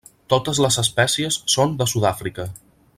Totes les espècies són de Sud-àfrica.